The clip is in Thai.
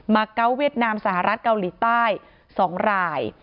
เกาะเวียดนามสหรัฐเกาหลีใต้๒ราย